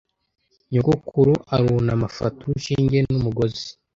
Nyogokuru arunama afata urushinge n'umugozi.